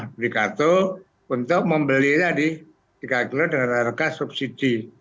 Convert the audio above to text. diberi kartu untuk membeli tadi tiga kilo dengan harga subsidi